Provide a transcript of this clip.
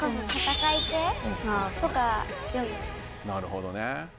なるほどね。